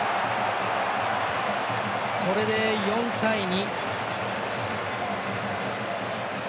これで４対２。